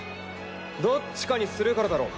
どっちかにするからだろ。